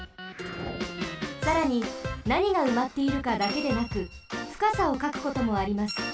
さらになにがうまっているかだけでなくふかさをかくこともあります。